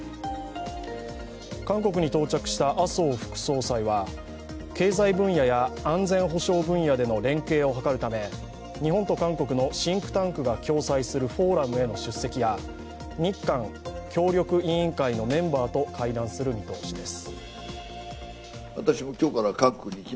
韓国に到着した麻生副総裁は経済分野や安全保障分野での連携を図るため日本と韓国のシンクタンクが共催するフォーラムへの出席や、韓日協力委員会のメンバーと会談する見通しです。